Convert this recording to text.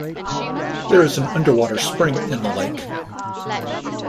There is an underwater spring in the lake.